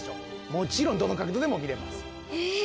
もちろんどの角度でも見れます。